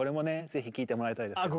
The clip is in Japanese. ぜひ聴いてもらいたいですね。